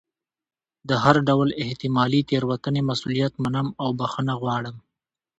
د هر ډول احتمالي تېروتنې مسؤلیت منم او بښنه غواړم.